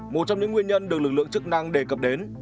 một trong những nguyên nhân được lực lượng chức năng đề cập đến